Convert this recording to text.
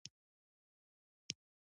هوښیار انسان د بښنې قوت لري.